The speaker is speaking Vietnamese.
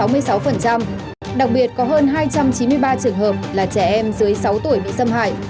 đặc biệt có hơn hai trăm chín mươi ba trường hợp là trẻ em dưới sáu tuổi bị xâm hại